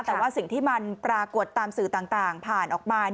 แต่ว่าสิ่งที่มันปรากฏตามสื่อต่างผ่านออกมา